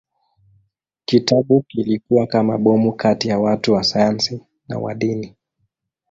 Kitabu kilikuwa kama bomu kati ya watu wa sayansi na wa dini.